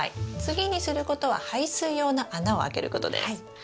次にすることは排水用の穴を開けることです。